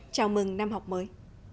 chào mừng năm học mới